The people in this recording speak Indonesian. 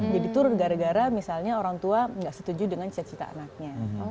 jadi itu gara gara misalnya orang tua nggak setuju dengan cita cita anaknya